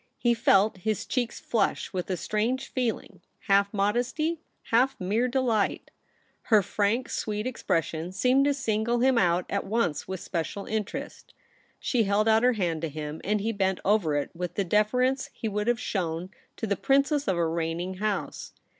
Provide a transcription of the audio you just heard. He felt his cheeks flush with a strancre feeline, half modesty, half mere delight. Her frank, sweet expression seemed to single him out at once w^ith especial interest. She held out her hand to him, and he bent over it with the deference he would have shown to the princess of a reigning house.